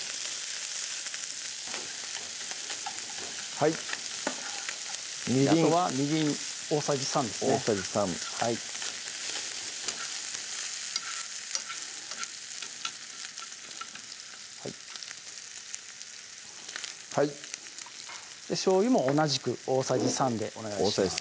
はいみりんあとはみりん大さじ３ですね大さじ３はいはいしょうゆも同じく大さじ３でお願いします